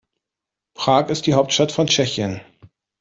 Prag ist die Hauptstadt von Tschechien.